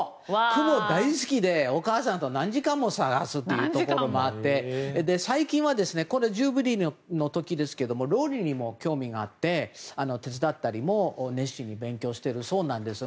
クモ大好きでお母さんと何時間も探すというところもあって最近はこれ、ジュビリーの時ですが料理にも興味があって手伝ったりも熱心に勉強しているそうです。